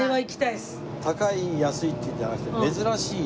高い安いっていうのじゃなくて珍しい。